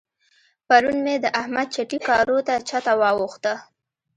پرون مې د احمد چټي کارو ته چته واوښته.